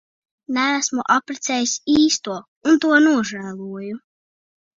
Neesmu apprecējis īsto un to nožēloju.